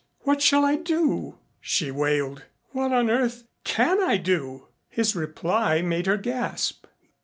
What shall I do?" she wailed. "What on earth can I do?" His reply made her gasp.